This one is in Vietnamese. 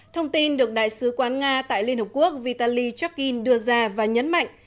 thông tin được đại sứ quán nga tại liên hợp quốc vitaly chokin đưa ra và nhấn mạnh